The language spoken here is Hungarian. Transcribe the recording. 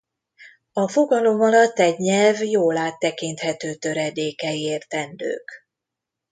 A fogalom alatt egy nyelv jól áttekinthető töredékei értendők.